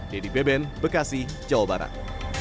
dedy beben bekasi jawa barat